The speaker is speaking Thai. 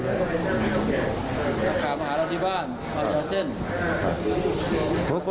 ไม่ได้เจอ